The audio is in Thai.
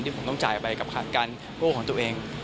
ผมต้องจ่ายไปกับการกู้ของตัวเอง